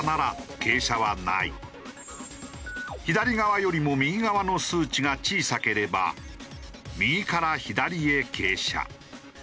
左側よりも右側の数値が小さければ右から左へ傾斜。